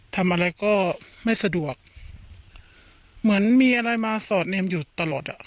ทำอะไรก็ไม่สะดวกเหมือนมีอะไรมาสอดเนมอยู่ตลอดอ่ะ